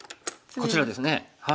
こちらですね。